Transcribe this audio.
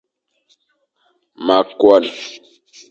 Ma koan.